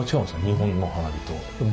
日本の花火と。